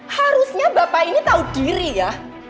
harusnya bapak ini tahu diri ya